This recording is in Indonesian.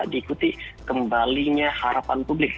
diikuti kembalinya harapan publik